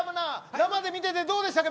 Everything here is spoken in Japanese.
生で見てどうでしたか。